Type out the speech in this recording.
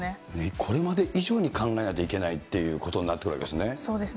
これまで以上に考えないといけないということになってくるわけですね。